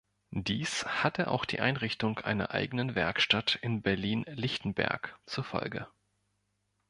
Dies hatte auch die Einrichtung einer eigenen Werkstatt in Berlin-Lichtenberg zur Folge.